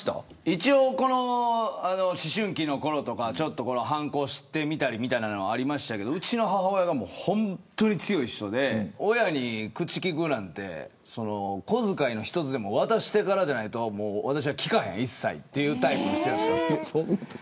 一応、思春期のころとかは反抗してみたりみたいなのはありましたがうちの母親が本当に強い人で親に口利くなんて小遣いの一つでも渡してからじゃないと私は聞かへん一切というタイプの人で。